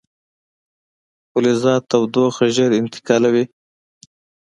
فلزات تودوخه ژر انتقالوي.